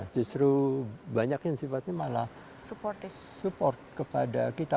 justru banyak yang sifatnya malah support kepada kita